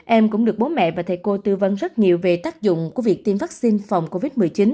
em cũng được bố mẹ và thầy cô tư vấn rất nhiều về tác dụng của việc tiêm vaccine phòng covid một mươi chín